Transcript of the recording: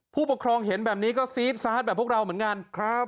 ผู้ปกครองเห็นแบบนี้ก็ซีดซาสแบบพวกเราเหมือนกันครับ